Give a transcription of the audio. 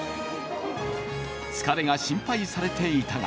疲れが心配されていたが